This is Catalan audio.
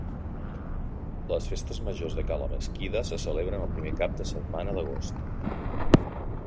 Les festes majors de Cala Mesquida se celebren el primer cap de setmana d'agost.